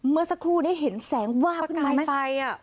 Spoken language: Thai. เมื่อสักครู่ได้เห็นแสงว่าขึ้นมาประกายไฟอ่ะ